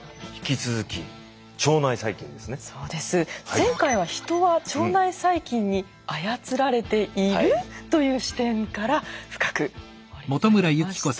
前回はヒトは腸内細菌に操られている？という視点から深く掘り下げました。